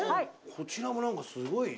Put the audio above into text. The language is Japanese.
こちらも何かすごい。